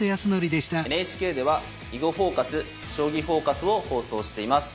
ＮＨＫでは「囲碁フォーカス」「将棋フォーカス」を放送しています。